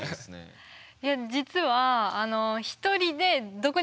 いや実はえ！